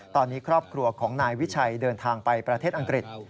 ตอนนี้ครอบครัวของนายวิชัยเดินทางไปประเทศอังกฤษ